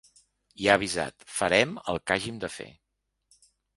I ha avisat: Farem el que hàgim de fer.